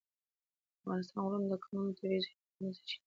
د افغانستان غرونه د کانونو او طبیعي زېرمو غني سرچینې لري.